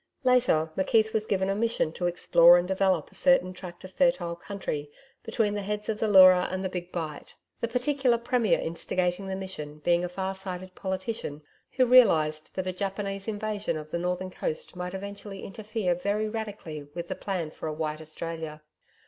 Later, McKeith was given a mission to explore and develop a certain tract of fertile country between the heads of the Leura and the Big Bight the particular Premier instigating the mission being a far sighted politician who realised that a Japanese invasion of the northern coast might eventually interfere very radically with the plan for a White Australia.